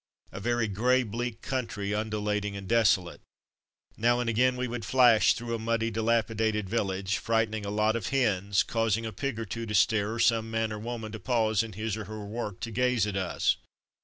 A very grey, bleak country, undulating and desolate. Now and again we would flash through a muddy, dilapidated village, frightening a lot of hens, causing a pig or two to stare, or some man or woman to pause in his or her work to gaze at us.